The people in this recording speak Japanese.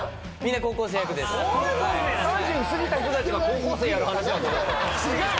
３０過ぎた子たちが高校生やる話だと思った。